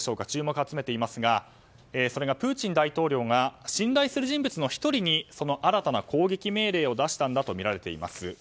注目を集めていますがそれがプーチン大統領が信頼する人物の１人にその新たな攻撃命令を出したとみられています。